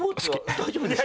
大丈夫ですか？